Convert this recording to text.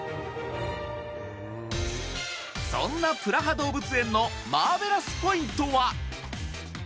そんなプラハ動物園のマーベラスポイントは？